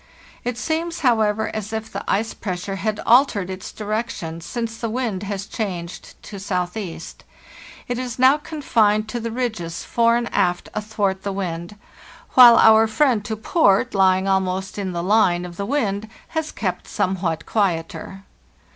"It seems, however, as if the ice pressure had altered its direction since the wind has changed to S.E. It is now confined to the ridges fore and aft athwart the wind; 62 FARTHEST NORTH while our friend to port, lying almost in the line of the wind, has kept somewhat quieter.